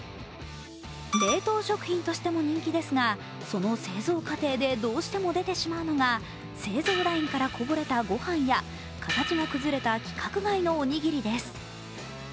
冷凍食品としても人気ですがその製造過程でどうしても出てしまうのが製造ラインからこぼれた御飯や形が崩れた規格外のおにぎりです。